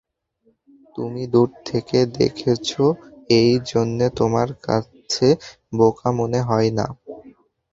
তুমি দূর থেকে দেখেছ, এই জন্যে তোমার কাছে বোকা মনে হয় না।